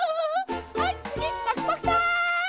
はいつぎパクパクさん！